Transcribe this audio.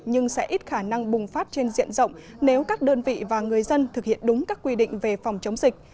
nhưng sẽ ít khả năng bùng phát trên diện rộng nếu các đơn vị và người dân thực hiện đúng các quy định về phòng chống dịch